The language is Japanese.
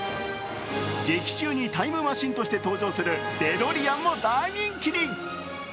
劇中にタイムマシンとして登場するデロリアンも大人気に。